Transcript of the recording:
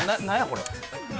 これ。